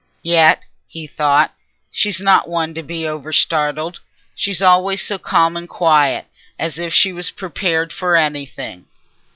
"Yet," he thought, "she's not one to be overstartled; she's always so calm and quiet, as if she was prepared for anything."